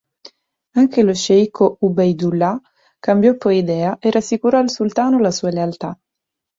Anche lo sceicco Ubeydullah cambiò poi idea e rassicurò al Sultano la sua lealtà.